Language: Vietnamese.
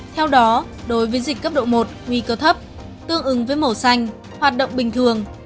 theo đó đối với dịch cấp độ một nguy cơ thấp tương ứng với màu xanh hoạt động bình thường